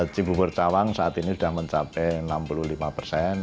cibubur cawang saat ini sudah mencapai enam puluh lima persen